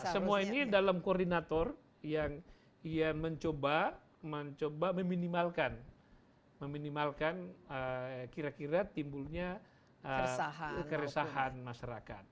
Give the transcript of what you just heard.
semua ini dalam koordinator yang ia mencoba meminimalkan kira kira timbulnya keresahan masyarakat